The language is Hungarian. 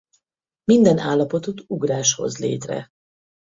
Minden állapotot ugrás hoz létre.